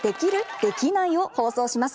できない？を放送します。